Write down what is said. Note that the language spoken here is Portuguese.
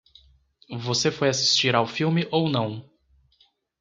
Você foi assistir ao filme ou não?